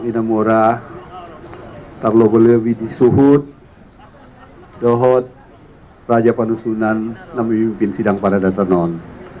inamorah tablobelewi di suhut dohod raja panusunan namun mimpin sidang para datanon